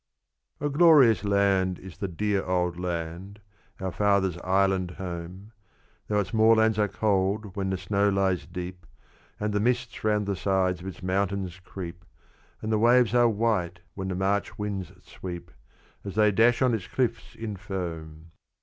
_" A glorious land is the "Dear Old Land," Our fathers' island home; Tho' its moorlands are cold when the snow lies deep, And the mists round the sides of its mountains creep, And the waves are white when the March winds sweep, As they dash on its cliffs in foam.